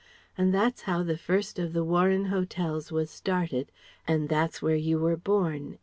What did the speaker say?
And that's how the first of the Warren Hotels was started and that's where you were born